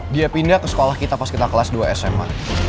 dia pindah ke sekolah kita pas kita kelas dua sma